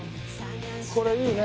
これいいね。